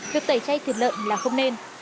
thức tẩy chay thịt lợn là không nên